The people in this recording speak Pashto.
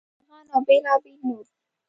چرګان، مرغان او بېلابېل نور.